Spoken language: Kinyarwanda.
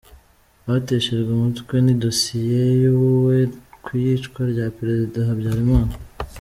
Bateshejwe umutwe n’idosiye yubuwe ku iyicwa rya Perezida Habyarimana.